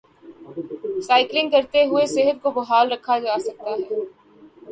cycling کرتے ہوئے صحت کو بحال رکھا جا سکتا ہے